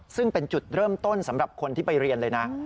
ซึ่งเป็นจุดเริ่มต้นสำหรับคนที่ไปเรียนเลยนะ